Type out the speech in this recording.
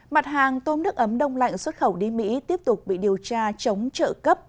mặt hàng tôm nước ấm đông lạnh xuất khẩu đi mỹ tiếp tục bị điều tra chống trợ cấp